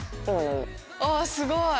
あっすごい！